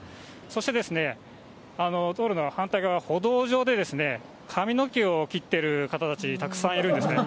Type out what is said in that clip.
そして道路の反対側、歩道上で、髪の毛を切ってる方たち、たくさんいるんですね。